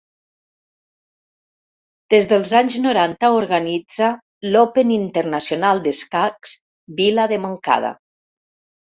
Des dels anys noranta organitza l'Open Internacional d'Escacs Vila de Montcada.